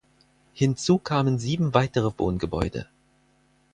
Hinzu kamen sieben weitere Wohngebäude.